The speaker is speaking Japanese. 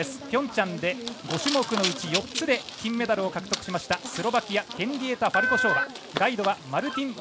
ピョンチャンで５種目のうち４つで金メダルを獲得しましたスロバキアヘンリエタ・ファルコショーワ。